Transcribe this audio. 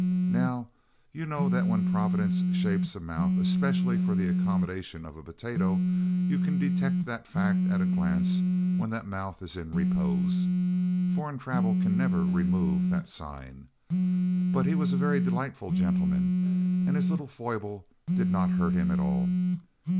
Now you know that when Providence shapes a mouth especially for the accommodation of a potato you can detect that fact at a glance when that mouth is in repose foreign travel can never remove that sign. But he was a very delightful gentleman, and his little foible did not hurt him at all.